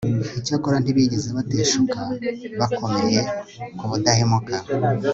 Icyakora ntibigeze bateshuka Bakomeye ku budahemuka